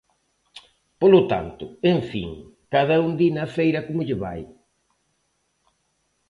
Polo tanto, en fin, cada un di na feira como lle vai.